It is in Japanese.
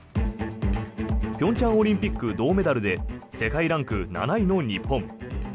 平昌オリンピック銅メダルで世界ランク７位の日本。